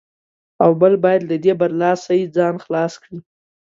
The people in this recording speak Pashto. او بل باید له دې برلاسۍ ځان خلاص کړي.